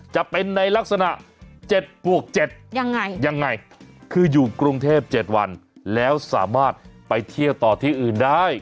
จะเป็นในลักษณะ๗บวก๗ยังไงยังไงคืออยู่กรุงเทพ๗วันแล้วสามารถไปเที่ยวต่อที่อื่นได้